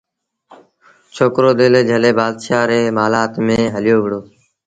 ڇوڪرو دل جھلي بآدشآ ريٚ مآلآت ميݩ هليو وهُڙو